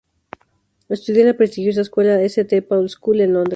Estudió en la prestigiosa escuela St Paul's School en Londres.